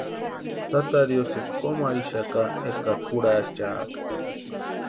Tata riosïni kómu arhixaka eskari kurhachʼaaka.